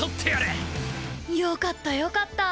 よかったよかった。